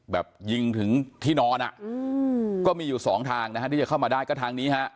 แบบยิงถึงที่นอนอ่ะอืมก็มีอยู่สองทางนะฮะที่จะเข้ามาได้ก็ทางนี้ฮะ